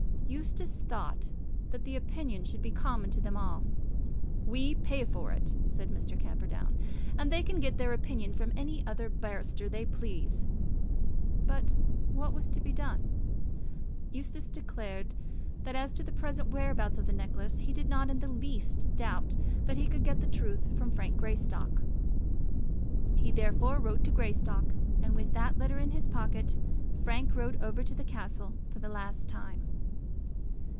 Eustace thought that the opinion should be common to them all. "We pay for it," said Mr. Camperdown, "and they can get their opinion from any other barrister if they please." But what was to be done? Eustace declared that as to the present whereabouts of the necklace, he did not in the least doubt that he could get the truth from Frank Greystock. He therefore wrote to Greystock, and with that letter in his pocket, Frank rode over to the castle for the last time.